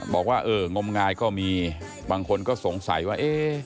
บอกว่าเอองมงายก็มีบางคนก็สงสัยว่า